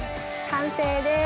完成です。